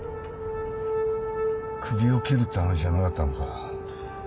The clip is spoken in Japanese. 首を切るって話じゃなかったのか。